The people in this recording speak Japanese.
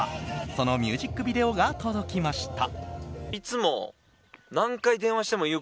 そのミュージックビデオが届きました。